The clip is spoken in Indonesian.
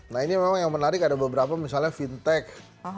nah ini memang yang menarik ada beberapa misalnya fintech